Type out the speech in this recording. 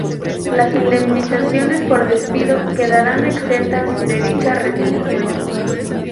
Las indemnizaciones por despido quedarán exentas de dicha retención.